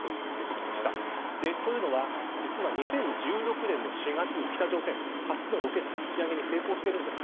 というのは、実は２０１６年の４月に北朝鮮は初のロケット打ち上げに成功しています。